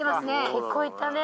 けっこういった。